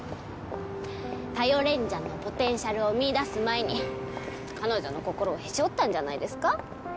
「頼れんじゃん」のポテンシャルを見いだす前に彼女の心をへし折ったんじゃないですか？